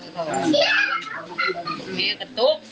อยากให้สังคมรับรู้ด้วย